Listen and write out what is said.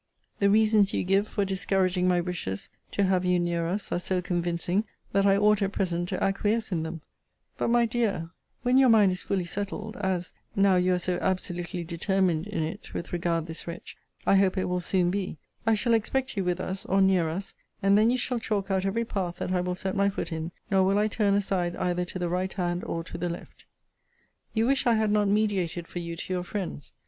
The reasons you give for discouraging my wishes to have you near us are so convincing, that I ought at present to acquiesce in them: but, my dear, when your mind is fully settled, as, (now you are so absolutely determined in it, with regard this wretch,) I hope it will soon be, I shall expect you with us, or near us: and then you shall chalk out every path that I will set my foot in; nor will I turn aside either to the right hand or to the left. You wish I had not mediated for you to your friends.